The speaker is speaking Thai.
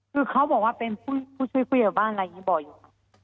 คือเขาบอกว่าเป็นผู้ช่วยผู้ใหญ่บ้านอะไรอย่างนี้บ่อยอยู่